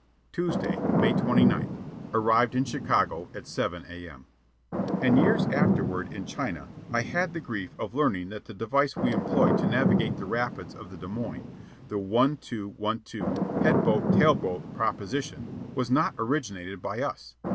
"Tuesday, May 29th. Arrived in Chicago at 7 A.M...." And years afterward, in China, I had the grief of learning that the device we employed to navigate the rapids of the Des Moines the one two one two, head boat tail boat proposition was not originated by us.